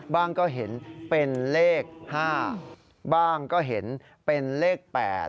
ก็เห็นเป็นเลข๕บ้างก็เห็นเป็นเลข๘